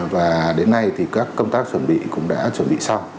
và đến nay thì các công tác chuẩn bị cũng đã chuẩn bị xong